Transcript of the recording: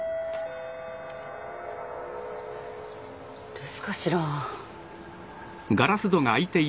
留守かしら？